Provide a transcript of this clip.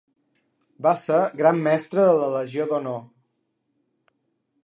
Va ser Gran Mestre de la Legió d'Honor.